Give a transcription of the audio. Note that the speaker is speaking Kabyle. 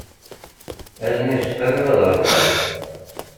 Allen-is qrib ad ɣelqent.